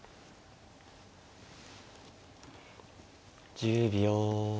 １０秒。